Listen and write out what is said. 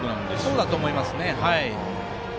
そうだと思います。